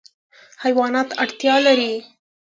حیوانات اړتیا لري.